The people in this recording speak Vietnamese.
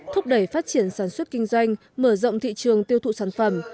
thúc đẩy phát triển sản xuất kinh doanh mở rộng thị trường tiêu thụ sản phẩm